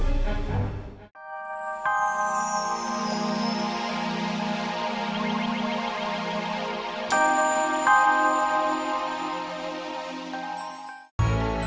ada yang menganggap kau tak bisa berjaya